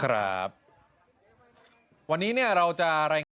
ครับวันนี้เนี่ยเราจะ